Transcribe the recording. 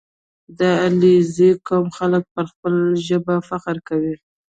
• د علیزي قوم خلک پر خپله ژبه فخر کوي.